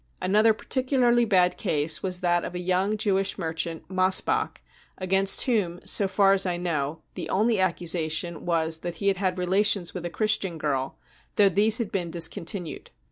Another particularly bad case was that of a young: Jewish merchant, Mossbach, against whom, so far as I know, the only accusation was that he had had relations with a Christian girl, though these had been discontinued.